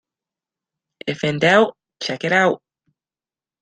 If in doubt, check it out.